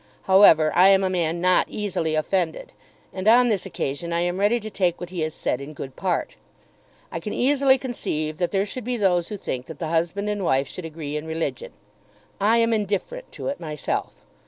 However I am a man not easily offended; and on this occasion I am ready to take what he has said in good part. I can easily conceive that there should be those who think that the husband and wife should agree in religion. I am indifferent to it myself.